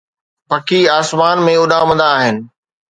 پکي آسمان ۾ اڏامندا آهن